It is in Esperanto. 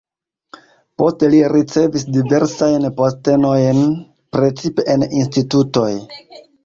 Poste li ricevis diversajn postenojn, precipe en institutoj.